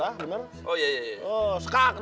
saya akan jalan